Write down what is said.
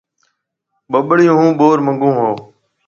ٻُٻڙِي ھون ٻور مونگو ھو